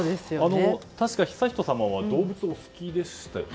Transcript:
確か、悠仁さまは動物お好きでしたよね。